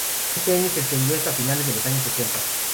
Éste impulso se extendió hasta finales de los años ochenta.